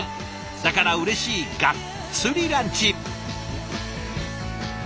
だからうれしいガッツリランチ。